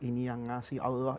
ini yang ngasih allah